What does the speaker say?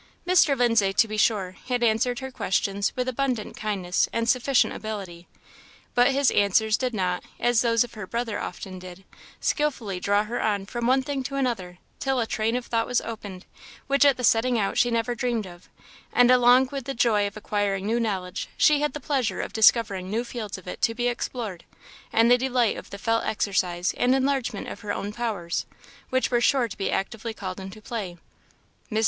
Mr. Lindsay, to be sure, had answered her questions with abundant kindness and sufficient ability; but his answers did not, as those of her brother often did, skilfully draw her on from one thing to another, till a train of thought was opened, which at the setting out she never dreamed of; and along with the joy of acquiring new knowledge, she had the pleasure of discovering new fields of it to be explored, and the delight of the felt exercise and enlargement of her own powers, which were sure to be actively called into play. Mr.